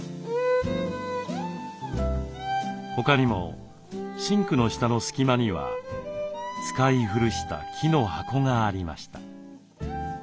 他にもシンクの下の隙間には使い古した木の箱がありました。